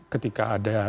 ketika ada trauma